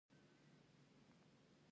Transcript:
احمدشاه بابا د ډېرو جګړو مشري وکړه.